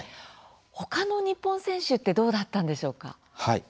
他の日本選手ってどうだったんでしょうか。